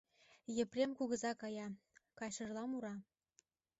Епрем кугыза кая, кайышыжла мура: